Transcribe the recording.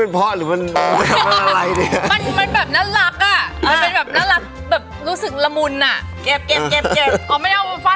อ๋อไม่เอามาฟาดหัวพี่เจ้า